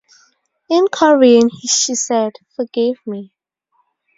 In Korean, she said, Forgive me.